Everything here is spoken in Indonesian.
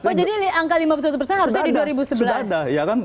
sudah ada ya kan